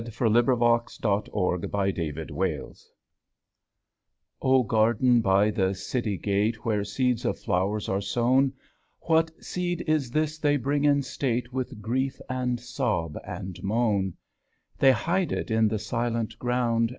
[ 41 ] THE EASTER FLOWER THE EASTER FLOWER Garden by the City gate Where seeds of flowers are sown, What seed is this they bring in state With grief and sob and moan? They hide it in the silent ground.